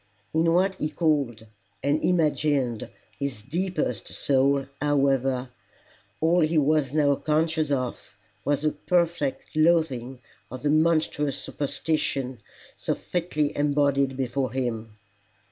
In what he called and imagined his deepest soul, however, all he was now conscious of was a perfect loathing of the monstrous superstition so fitly embodied before him.